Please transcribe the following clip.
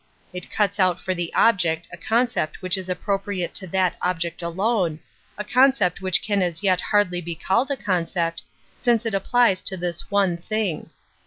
It cuts out for the object a concept which ■ IB appropriate to that object alone, a con Pcept which can as yet hardly be called a concept, since it applies to this one thing.